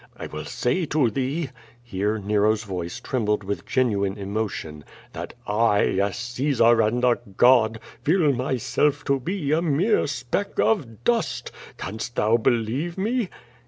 I will say to thee" (here Nero's voice trembled with genuine emotion) "that I, a Caesar and a god, feel my self to be a mere speck of dust. Canst thou believe me?"